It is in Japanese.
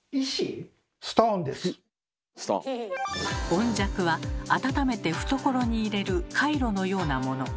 温石は温めて懐に入れるカイロのようなもの。